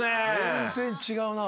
全然違うな。